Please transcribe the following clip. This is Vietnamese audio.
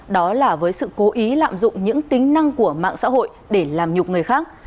đó là với sự cố ý lạm dụng những tính năng của mạng xã hội để làm nhục người khác